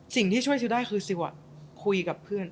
สิ่งที่ช่วยซิลได้คือซิลอะคุยกับเพื่อน